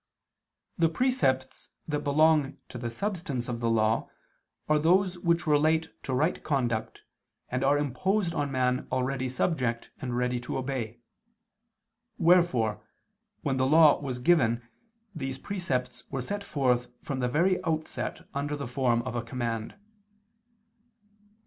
The precepts that belong to the substance of the Law are those which relate to right conduct and are imposed on man already subject and ready to obey: wherefore when the Law was given these precepts were set forth from the very outset under the form of a command.